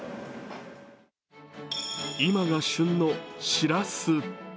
今が旬のしらす。